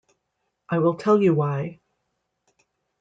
I will tell you why.